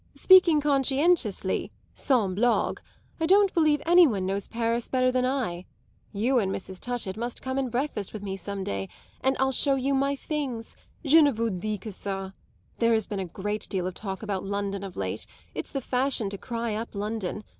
Speaking conscientiously sans blague I don't believe any one knows Paris better than I. You and Mrs. Touchett must come and breakfast with me some day, and I'll show you my things; je ne vous dis que ça! There has been a great deal of talk about London of late; it's the fashion to cry up London.